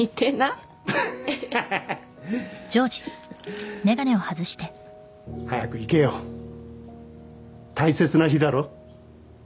っ早く行けよ大切な日だろ？